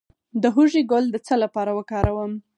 د هوږې ګل د څه لپاره وکاروم؟